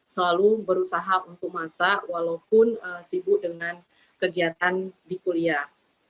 selalu berusaha untuk masak walaupun sibuk dengan kegiatan di kuliah